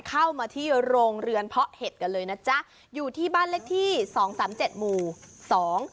เข้ามาที่โรงเรือนเพาะเห็ดกันเลยนะจ๊ะอยู่ที่บ้านเลขที่สองสามเจ็ดหมู่สอง